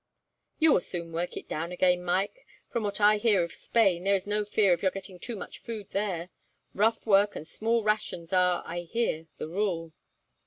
"You will soon work it down again, Mike. From what I hear of Spain, there is no fear of your getting too much food there. Rough work and small rations are, I hear, the rule."